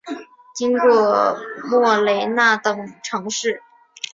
经过莫雷纳等城市。